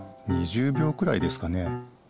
２０びょうくらいですかね？